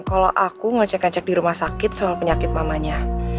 kalau aku ngecek ngecek di rumah sakit sama penyakit mamanya